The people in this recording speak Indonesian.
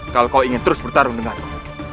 kalau kau ingin terus bertarung denganku